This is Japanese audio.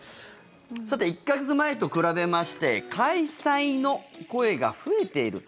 さて、１か月前と比べまして開催の声が増えていると。